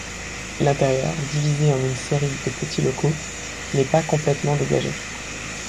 L’intérieur, divisé en une série de petits locaux, n’est pas complétement dégagé.